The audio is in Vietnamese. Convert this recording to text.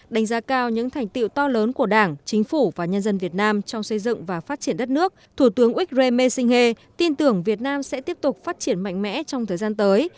đánh giá cao những thành tiệu to lớn của đảng chính phủ và nhân dân việt nam trong xây dựng và phát triển đất nước thủ tướng ikray mesingha tin tưởng việt nam sẽ tiếp tục phát triển mạnh mẽ trong thời gian tới